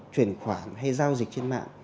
truyền khoản hay giao dịch trên mạng